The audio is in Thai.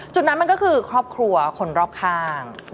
จุดนั้นมันก็คือครอบครัวคนรอบข้าง